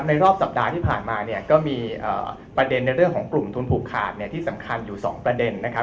ในรอบสัปดาห์ที่ผ่านมาก็มีประเด็นในเรื่องของกลุ่มทุนผูกขาดที่สำคัญอยู่๒ประเด็น